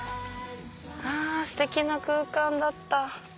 あステキな空間だった。